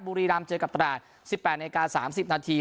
บุรีรามเจอกับตรฐานสิบแปดนาฬิกาสามสิบนาที